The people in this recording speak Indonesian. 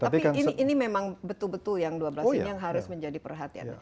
tapi ini memang betul betul yang dua belas ini yang harus menjadi perhatian